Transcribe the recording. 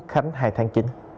khánh hai tháng chín